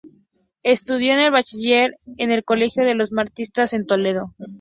Estudió el bachiller en el colegio de los Maristas en Toledo.